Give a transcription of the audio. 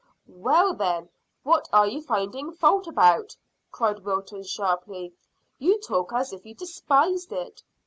"Well, then, what are you finding fault about?" cried Wilton sharply. "You talk as if you despised it."